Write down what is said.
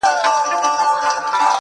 تر کوډ ګرو، مداریانو، تعویذونو٫